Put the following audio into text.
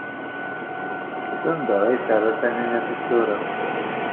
Sanda ay terra Taninna tisura?